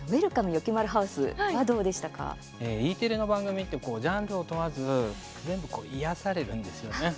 よきまるハウス」はＥテレの番組ってジャンルを問わず全部、癒やされるんですよね。